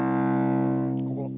ここ。